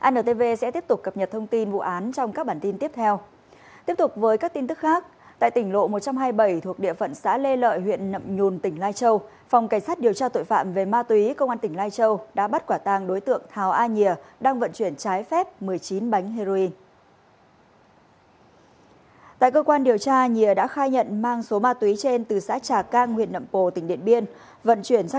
ntv sẽ tiếp tục cập nhật thông tin vụ án trong các bản tin tiếp theo